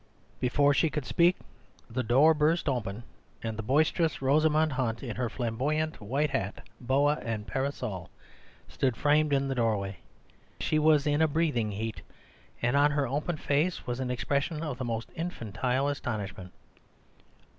Before she could speak the door burst open, and the boisterous Rosamund Hunt, in her flamboyant white hat, boa, and parasol, stood framed in the doorway. She was in a breathing heat, and on her open face was an expression of the most infantile astonishment.